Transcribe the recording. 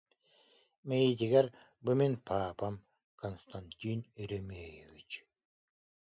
Мэйиитигэр: «Бу мин паапам, Константин Еремеевич»